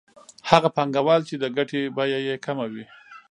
هغه پانګوال چې د ګټې بیه یې کمه وي